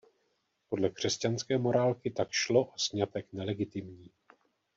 Podle křesťanské morálky tak šlo o sňatek nelegitimní.